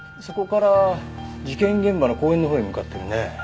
そこから事件現場の公園のほうへ向かってるね。